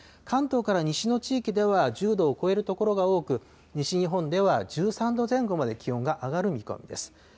関東から西の地域では１０度を超える所が多く、西日本では１３度前後まで気温が上がる見込みです。